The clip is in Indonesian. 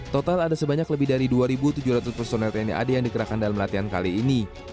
total ada sebanyak lebih dari dua tujuh ratus personel tni ad yang dikerahkan dalam latihan kali ini